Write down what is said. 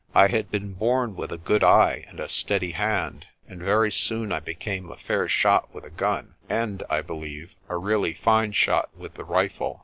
I had been born with a good eye and a steady hand, and very soon I became a fair shot with a gun and, I believe, a really fine shot with the rifle.